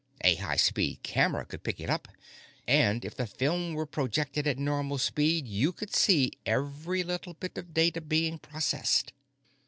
A high speed camera could pick it up, and if the film were projected at normal speed, you could see every little bit of data being processed."